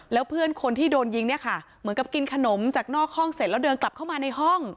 แล้วเพื่อนคนที่โดนยิงเนี่ยค่ะเหมือนกับกินขนมจากนอกห้องเสร็จแล้วเดินกลับเข้ามาในห้อง